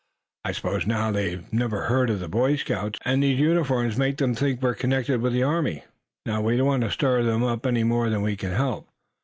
I suppose now they never heard of the Boy Scouts; and these uniforms make them think we're connected with the army. Now, we don't want to stir them up any more than we can help.